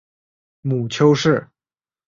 母丘氏。